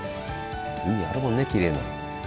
海あるもんねきれいな。